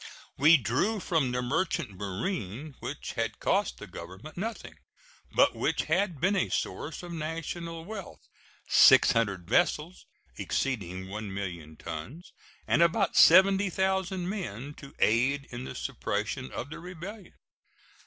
We drew from the merchant marine, which had cost the Government nothing, but which had been a source of national wealth, 600 vessels, exceeding 1,000,000 tons, and about 70,000 men, to aid in the suppression of the rebellion.